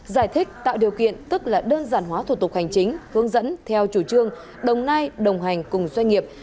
giải thích tạo điều kiện tức là đơn giản hóa thủ tục hành chính hướng dẫn theo chủ trương đồng nai đồng hành cùng doanh nghiệp